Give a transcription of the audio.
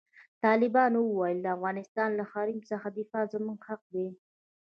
طالبانو وویل، د افغانستان له حریم څخه دفاع زموږ حق دی.